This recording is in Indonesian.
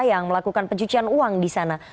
yang melakukan pencucian uang di sana